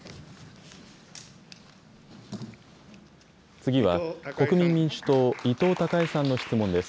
次は、国民民主党、伊藤孝恵さんの質問です。